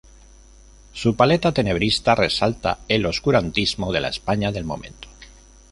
Su paleta tenebrista resalta el oscurantismo de la España del momento.